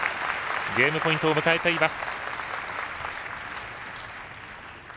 ゲームポイントを迎えています。